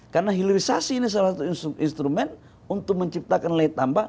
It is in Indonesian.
karena hilirisasi ini salah satu instrumen untuk menciptakan nilai tambah